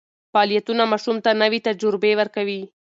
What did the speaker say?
فعالیتونه ماشوم ته نوې تجربې ورکوي.